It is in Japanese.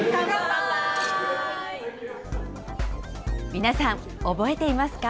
皆さん、覚えていますか？